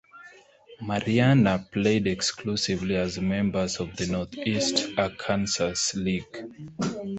Marianna played exclusively as members of the Northeast Arkansas League.